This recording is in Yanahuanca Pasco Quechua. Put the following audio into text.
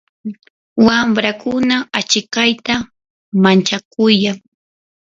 wamrakuna achikayta manchakuyan.